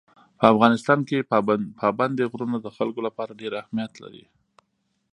په افغانستان کې پابندي غرونه د خلکو لپاره ډېر اهمیت لري.